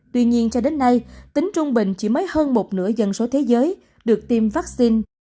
tuy nhiên cho đến nay tính trung bình chỉ mới hơn một nửa dân số thế giới được tiêm vaccine